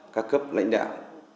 các cấp lãnh đạo